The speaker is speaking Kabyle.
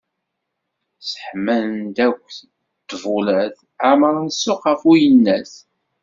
Sseḥman-d akk ṭbulat, ԑemren ssuq γef uyennat.